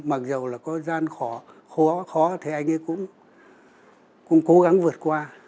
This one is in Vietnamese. mặc dù là có gian khó khó thì anh ấy cũng cố gắng vượt qua